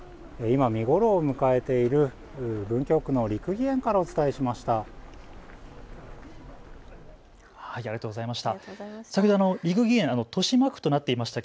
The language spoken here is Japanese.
今、見頃を迎えている文京区の六義園からお伝えしました。